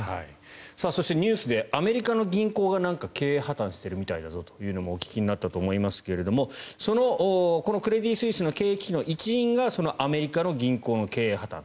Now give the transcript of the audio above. そしてニュースでアメリカの銀行が経営破たんしているみたいだぞというのをお聞きになったと思いますがクレディ・スイスの経営危機の一因がアメリカの銀行の経営破たん。